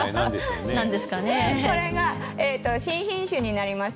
これが新品種になります。